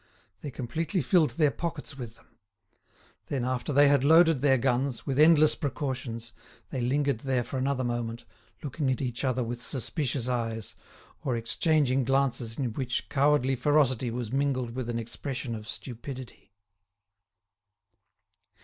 They completely filled their pockets with them. Then, after they had loaded their guns, with endless precautions, they lingered there for another moment, looking at each other with suspicious eyes, or exchanging glances in which cowardly ferocity was mingled with an expression of stupidity.